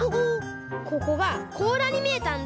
ここがこうらにみえたんだ。